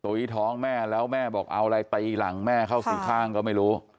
ท้องแม่แล้วแม่บอกเอาอะไรตีหลังแม่เข้าสี่ข้างก็ไม่รู้